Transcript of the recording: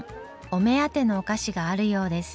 お目当てのお菓子があるようです。